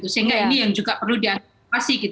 sehingga ini yang juga perlu diantisipasi